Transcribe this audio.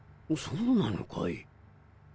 そうなのかい？